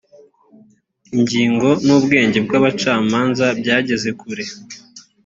ingingo n’ubwigenge bw ‘abacamanza byageze kure.